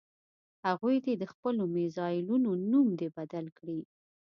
هغوی دې د خپلو میزایلونو نوم دې بدل کړي.